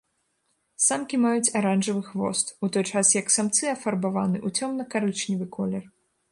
Самкі маюць аранжавы хвост, у той час як самцы афарбаваны ў цёмна-карычневы колер.